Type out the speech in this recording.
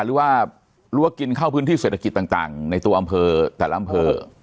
หรือว่ารั้วกินเข้าพื้นที่เศรษฐกิจต่างในตัวอำเภอแต่ละอำเภอ